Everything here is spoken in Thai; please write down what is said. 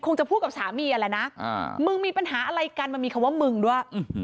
จะพูดกับสามีนั่นแหละนะมึงมีปัญหาอะไรกันมันมีคำว่ามึงด้วย